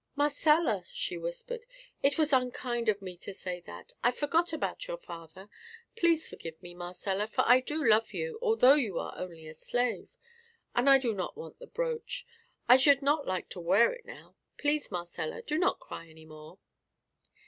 "Marcella," she whispered, "it was unkind of me to say that. I forgot about your father. Please forgive me, Marcella, for I do love you, although you are only a slave. And I do not want the brooch; I should not like to wear it now. Please, Marcella, do not cry any more."